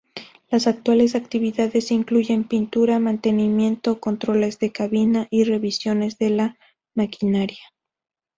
Las actuales actividades incluyen pintura, mantenimiento, controles de cabina y revisiones de la maquinaria.